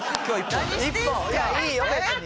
いやいいよ別に。